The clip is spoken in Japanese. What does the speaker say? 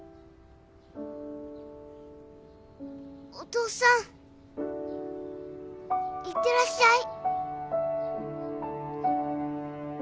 お父さんいってらっしゃい。